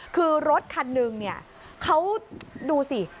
คือรถคันหนึ่งเขาดูสิ